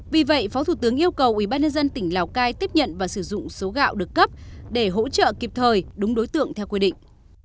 vì vậy phó thủ tướng yêu cầu ubnd tỉnh lào cai tiếp nhận và sử dụng số gạo được cấp để hỗ trợ kịp thời đúng đối tượng theo quy định